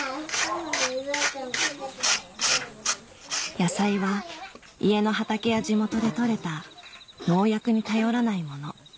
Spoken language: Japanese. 野菜は家の畑や地元で採れた農薬に頼らないもの